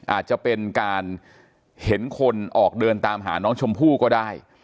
อาจจะเป็นการเห็นคนออกเดินตามหาน้องชมพู่ก็ได้